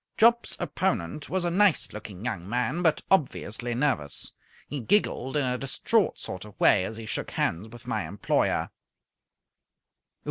Jopp's opponent was a nice looking young man, but obviously nervous. He giggled in a distraught sort of way as he shook hands with my employer.